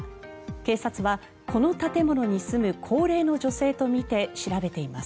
警察は、この建物に住む高齢の女性とみて調べています。